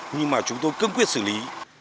nhưng mà chúng tôi cưng quyết xử lý